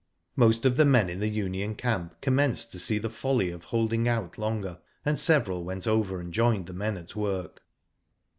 Most of the men in the union camp commenced to see the folly of holding out longer, and several went over and joined the men at work.